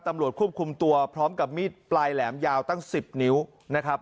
ตำรวจควบคุมตัวพร้อมกับมีดปลายแหลมยาวตั้ง๑๐นิ้วนะครับ